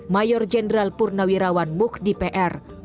mayor jenderal purnawirawan mukhdi pr